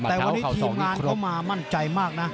แต่วันนี้ทีมงานเข้ามามั่นใจมากนะ